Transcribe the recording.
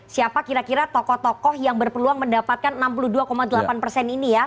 siapa kira kira tokoh tokoh yang berpeluang mendapatkan enam puluh dua delapan persen ini ya